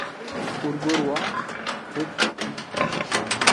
û li gor wan Kurd tune.